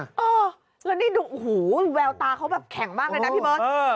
เออแล้วนี่ดูโอ้โหแววตาเขาแบบแข็งมากเลยนะพี่เบิร์ต